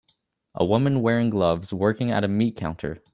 A woman wearing gloves working at a meat counter